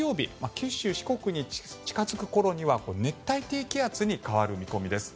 九州、四国に近付く頃には熱帯低気圧に変わる見込みです。